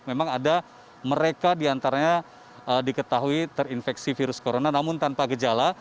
memang ada mereka diantaranya diketahui terinfeksi virus corona namun tanpa gejala